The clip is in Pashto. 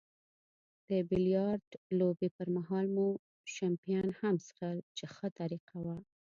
د بیلیارډ لوبې پرمهال مو شیمپین هم څیښل چې ښه طریقه وه.